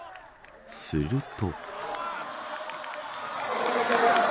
すると。